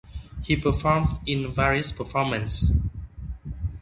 He performed in various performances.